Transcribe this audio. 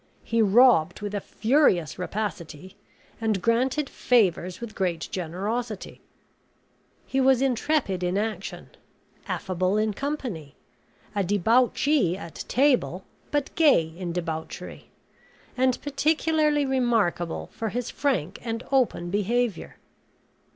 He robbed with a furious rapacity, and granted favors with great generosity; he was intrepid in action; affable in company; a debauchee at table, but gay in debauchery; and particularly remarkable for his frank and open behavior.